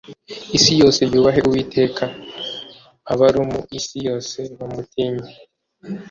Isi yose yubahe uwiteka, abaru mu isi yose bamutinye